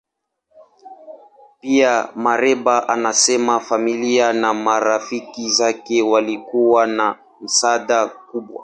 Pia, Mereba anasema familia na marafiki zake walikuwa na msaada mkubwa.